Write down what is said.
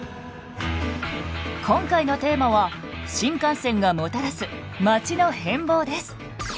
今回のテーマは新幹線がもたらすまちの変貌です。